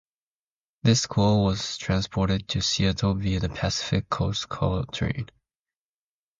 This coal was transported to Seattle via the Pacific Coast Coal train.